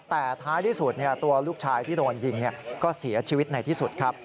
แต่ท้ายที่สุดตัวลูกชายที่โดนยิงก็เสียชีวิตในที่สุดครับ